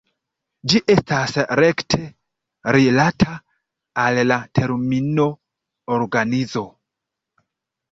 Ĝi estas rekte rilata al la termino "organizo".